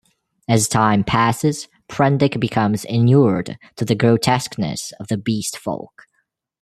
As time passes, Prendick becomes inured to the grotesqueness of the Beast Folk.